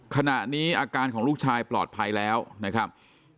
ขณะนี้อาการของลูกชายปลอดภัยแล้วนะครับ